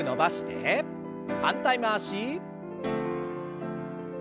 反対回し。